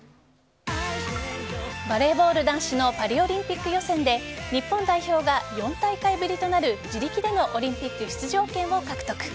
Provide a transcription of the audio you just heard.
バレーボール・男子のパリオリンピック予選で日本代表が４大会ぶりとなる自力でのオリンピック出場権を獲得。